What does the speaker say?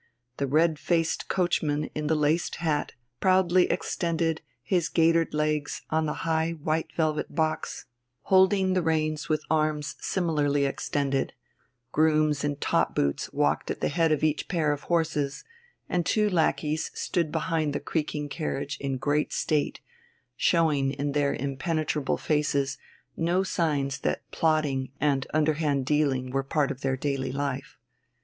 The red faced coachman in the laced hat proudly extended his gaitered legs on the high white velvet box, holding the reins with arms similarly extended; grooms in top boots walked at the head of each pair of horses, and two lackeys stood behind the creaking carriage in great state, showing in their impenetrable faces no signs that plotting and underhand dealing were part of their daily life.